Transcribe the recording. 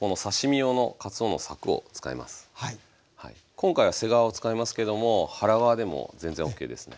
今回は背側を使いますけども腹側でも全然ＯＫですね。